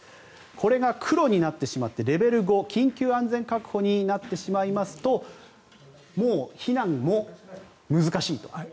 これが黒になってしまってレベル５、緊急安全確保になってしまいますともう避難も難しいと。